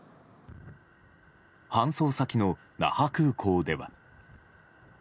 搬送先の那覇空港では。